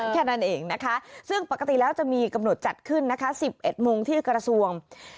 แค่นั้นเองนะคะซึ่งปกติแล้วจะมีกำหนดจัดขึ้นนะคะ๑๑โมงที่กระทรวง